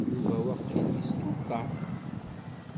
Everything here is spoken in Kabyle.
Yuba waqil yestuṭeɛ.